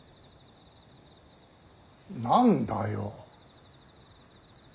何だよ。